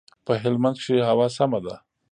په هلمند کښي هوا سمه ده.